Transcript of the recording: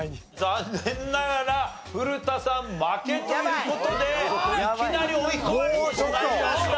残念ながら古田さん負けという事でいきなり追い込まれてしまいました。